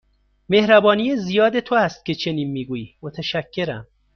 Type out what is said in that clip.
مهربانی زیاد تو است که چنین می گویی، متشکرم.